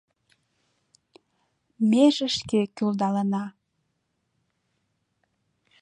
Меже шке кӱлдалына.